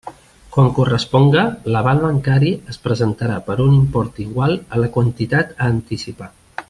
Quan corresponga, l'aval bancari es presentarà per un import igual a la quantitat a anticipar.